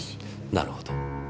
なるほど。